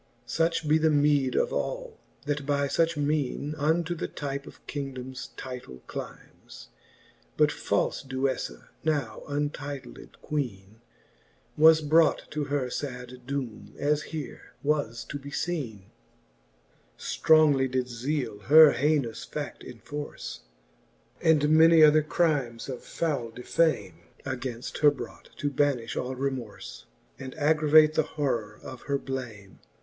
Such be the meede of all, that by fuch mene Unto the type of kingdomes title clymes. But falfe DueJJa^ now untitled Queene, Was brought to her fad doome, as here was to be leene, XLIII. Strongly did Zele her haynous fa£t enforce, And many other crimes of foule defame Againft her brought, to banifh all remorfe, And aggravate the horror of her blame.